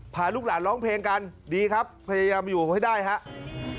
พาลูกหลานร้องเพลงกันดีครับพยายามอยู่ให้ได้ครับ